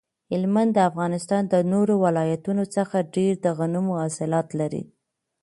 هلمند د افغانستان د نورو ولایتونو څخه ډیر د غنمو حاصلات لري